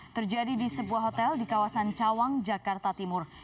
terjadi di sebuah hotel di kawasan cawang jakarta timur